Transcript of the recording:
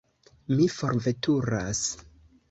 Mi forveturas.